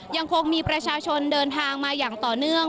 ยังคงมีประชาชนเดินทางมาอย่างต่อเนื่อง